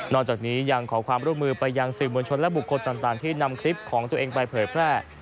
จากนี้ยังขอความร่วมมือไปยังสื่อมวลชนและบุคคลต่างที่นำคลิปของตัวเองไปเผยแพร่